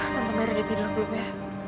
tante mary udah tidur belum ya